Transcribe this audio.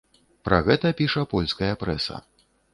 Пра гэта піша польская прэса.